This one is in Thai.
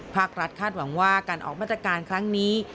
ภาครัฐคาดหวังว่าการออกมาตรการครั้งนี้